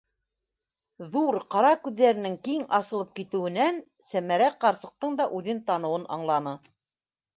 Ҙур ҡара күҙҙәренең киң асылып китеүенән Сәмәрә ҡарсыҡтың да үҙен таныуын аңланы.